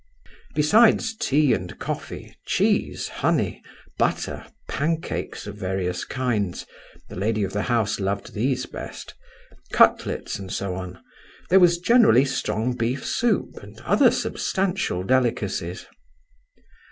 Besides tea and coffee, cheese, honey, butter, pan cakes of various kinds (the lady of the house loved these best), cutlets, and so on, there was generally strong beef soup, and other substantial delicacies.